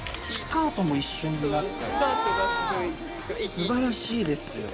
すばらしいですよ。